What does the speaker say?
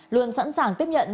luân sẵn sàng tiếp nhận